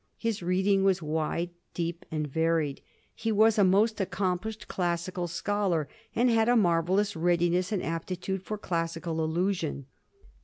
His reading was wide, deep, and varied ; he was a most accomplished classical scholar, and had a marvellous readiness and aptitude for classical allusion.